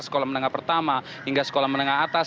sekolah menengah pertama hingga sekolah menengah atas